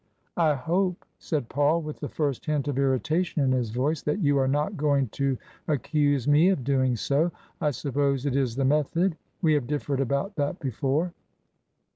" I hope," said Paul, with the first hint of irritation in his voice, " that you are not going to accuse me of doing so ? I suppose it is the method. We have difiered about that before."